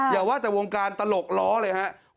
อย่าว่าแต่วงการตลกล้อเลยครับ